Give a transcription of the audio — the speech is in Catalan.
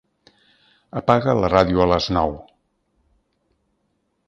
Apaga la ràdio a les nou.